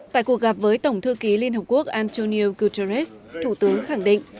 tại cuộc gặp với tổng thư ký liên hợp quốc antonio guterres thủ tướng khẳng định